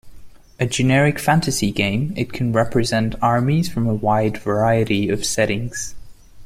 A generic fantasy game, it can represent armies from a wide variety of settings.